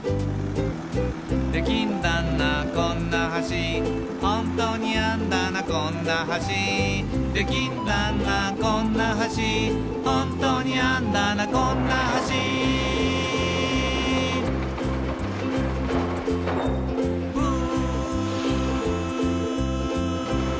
「できんだなこんな橋」「ホントにあんだなこんな橋」「できんだなこんな橋」「ホントにあんだなこんな橋」「ウー」